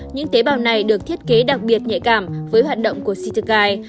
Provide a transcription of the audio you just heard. những tế bào này được thiết kế đặc biệt nhạy cảm với hoạt động của citogate